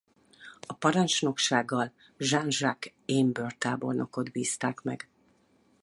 A parancsnoksággal Jean-Jacques Ambert tábornokot bízták meg.